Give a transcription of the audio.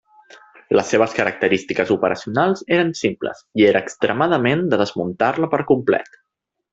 Les seves característiques operacionals eren simples, i era extremadament de desmuntar-la per complet.